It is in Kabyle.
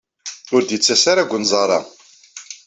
Ur d-yettas ara deg unẓar-a.